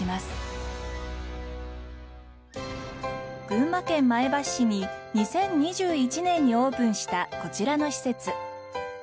群馬県前橋市に２０２１年にオープンしたこちらの施設。